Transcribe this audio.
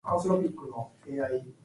Lukas at first wanted to be an actor.